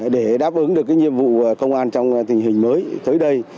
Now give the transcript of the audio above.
để đáp ứng được nhiệm vụ công an trong tình hình mới tới đây